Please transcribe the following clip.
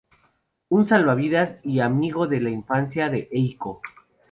Un salvavidas y amigo de infancia de Eiko.